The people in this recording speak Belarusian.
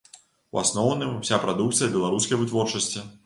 У асноўным уся прадукцыя беларускай вытворчасці.